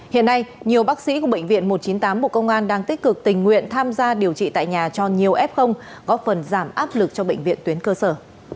hiện nay nhiều bác sĩ của bệnh viện một trăm chín mươi tám bộ công an đang tích cực tình nguyện tham gia điều trị tại nhà cho nhiều f góp phần giảm áp lực cho bệnh viện tuyến cơ sở